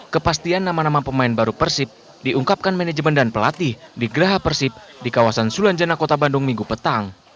kepastian nama nama pemain baru persib diungkapkan manajemen dan pelatih di geraha persib di kawasan sulanjana kota bandung minggu petang